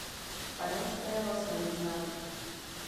Španělského svůj znak.